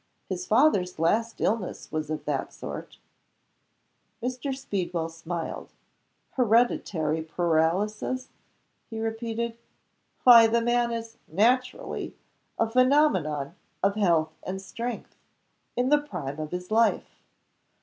His father's last illness was of that sort." Mr. Speedwell smiled. "Hereditary paralysis?" he repeated. "Why the man is (naturally) a phenomenon of health and strength in the prime of his life.